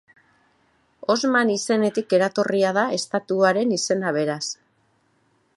Osman izenetik eratorria da estatuaren izena beraz.